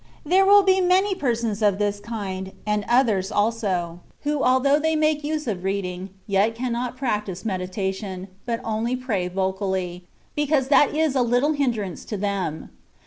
There will be many persons of this kind, and others also, who although they make use of read ing, yet cannot practise meditation, but only pray vocally, because that is a little hinderance to them.